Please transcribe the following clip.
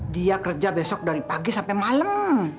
dia kerja besok dari pagi sampai malam